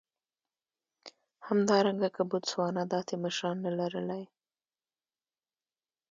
همدارنګه که بوتسوانا داسې مشران نه لر لای.